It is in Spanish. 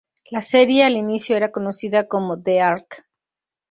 La serie al inicio era conocida como "The Ark".